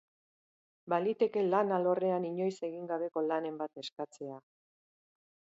Baliteke lan alorrean inoiz egin gabeko lanen bat eskatzea.